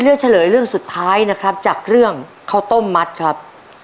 เฉลยเรื่องสุดท้ายนะครับจากเรื่องข้าวต้มมัดครับ